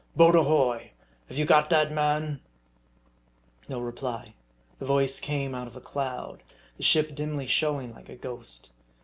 Boat ahoy ! Have you got that man ?" No reply. The voice came out of a cloud ; the ship dimly showing like a ghost.